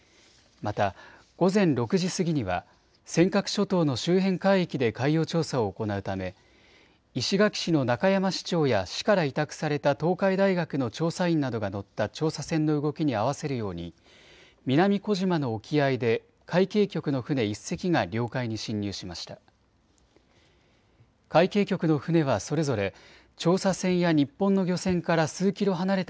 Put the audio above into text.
また、午前６時過ぎには尖閣諸島の周辺海域で海洋調査を行うため石垣市の中山市長や市から委託された東海大学の調査員などが乗った調査船の動きに合わせるように南小島の沖合で海警局の船１隻が領海に侵入しました。